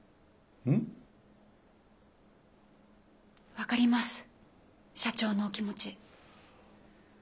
分かります社長のお気持ち。